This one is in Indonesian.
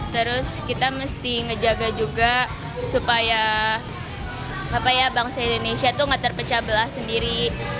terus kita mesti ngejaga juga supaya bangsa indonesia itu nggak terpecah belah sendiri